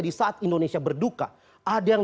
di saat indonesia berduka ada yang